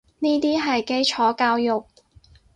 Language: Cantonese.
呢啲係基礎教育